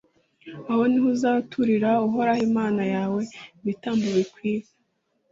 aho ni ho uzaturira uhoraho imana yawe ibitambo bitwikwa.